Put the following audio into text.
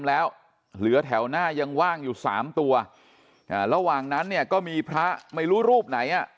แล้วเหลือแถวหน้ายังว่างอยู่๓ตัวระหว่างนั้นเนี่ยก็มีพระไม่รู้รูปไหนอ่ะ